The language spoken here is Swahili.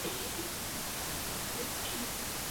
walifanya uchaguzi mpya wa uongozi wa bunge la taifa